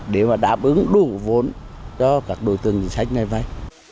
để mà đáp ứng đủ vốn cho các đối tượng chính sách này vay